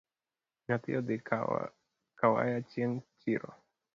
Nyathi odhi kawaya chieng’ chiro